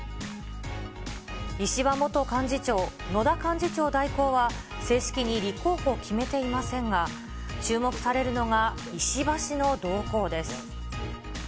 石破元幹事長、野田幹事長代行は、正式に立候補を決めていませんが、注目されるのが石破氏の動向です。